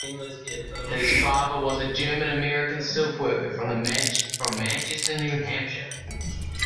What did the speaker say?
His father was a German American silk worker from Manchester, New Hampshire.